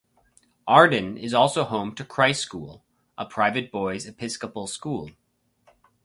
Arden is also home to Christ School, a private boys Episcopal school.